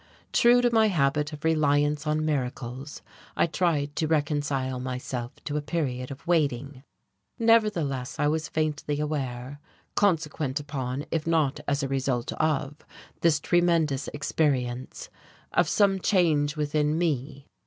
True to my habit of reliance on miracles, I tried to reconcile myself to a period of waiting. Nevertheless I was faintly aware consequent upon if not as a result of this tremendous experience of some change within me.